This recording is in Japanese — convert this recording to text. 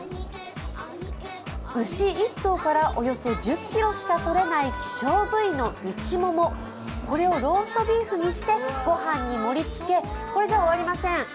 牛一頭からおよそ１０ｋｇしかとれない希少部位の内モモ、これをローストビーフにして御飯に盛り付け、これじゃ終わりません。